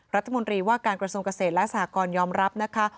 รัฐมนตรีว่าการกระทรวงเกษตรและสหกรยอมรับนะคะ